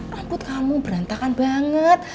rambut kamu berantakan banget